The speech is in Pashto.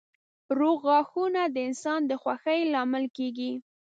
روغ غاښونه د انسان د خوښۍ لامل کېږي.